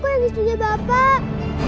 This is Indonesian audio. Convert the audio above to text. ibu kok yang istrinya bapak